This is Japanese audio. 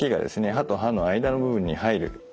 歯と歯の間の部分に入るように。